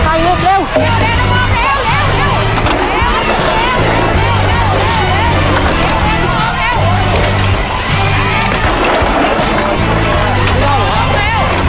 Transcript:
เร็วเร็วรับสร้างเวลา